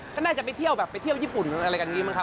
ก็น่าจะไปเที่ยวแบบไปเที่ยวญี่ปุ่นอะไรกันอย่างนี้มั้ย